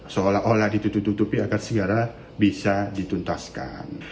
seolah olah ditutup tutupi agar segera bisa dituntaskan